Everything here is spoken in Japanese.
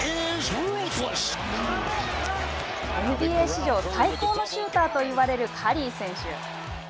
ＮＢＡ史上最高のシューターと言われるカリー選手。